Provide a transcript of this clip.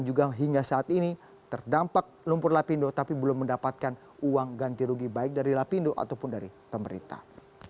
juga hingga saat ini terdampak lumpur lapindo tapi belum mendapatkan uang ganti rugi baik dari lapindo ataupun dari pemerintah